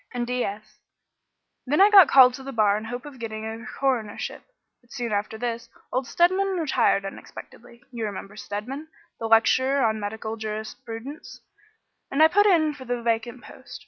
and D.Sc. Then I got called to the bar in the hope of getting a coronership, but soon after this, old Stedman retired unexpectedly you remember Stedman, the lecturer on medical jurisprudence and I put in for the vacant post.